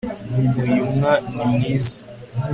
uyumwa ni mwiza